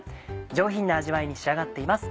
上品な味わいに仕上がっています